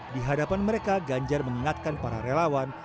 di hadapan mereka ganjar mengingatkan para relawan